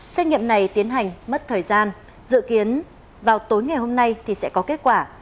xét nghiệm này tiến hành mất thời gian dự kiến vào tối ngày hôm nay thì sẽ có kết quả